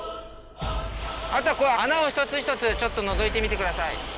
あとは穴を一つ一つちょっとのぞいてみてください。